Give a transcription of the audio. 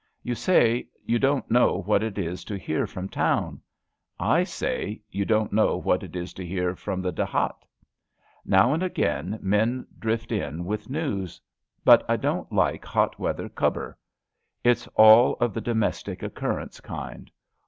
You say " You don't know what it is to hear from town." I say You don't know what it is to hear from the dehat/^ Now and again men drift in with news, but I don't like hot weather Jchubber. It's all of the domestic oc currence kind.